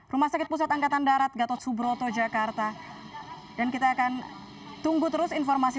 rumah sakit pusat angkatan darat gatot subroto jakarta dan kita akan tunggu terus informasi